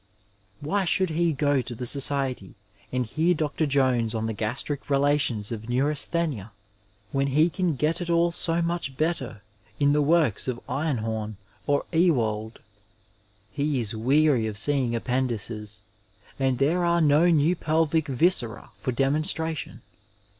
Why should he go to the society and hear Dr. Jones on the gastric relations of neurasthenia when he can get it all so much better in the works of Einhom or Ewald ? He is weary of seeing appendices, and there are no new pelvic viscera for demonstration.